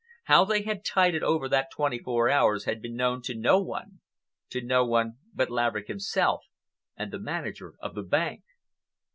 How they had tided over that twenty four hours had been known to no one—to no one but Laverick himself and the manager of his bank.